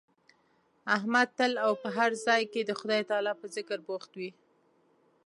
احمد تل او په هر ځای کې د خدای تعالی په ذکر بوخت وي.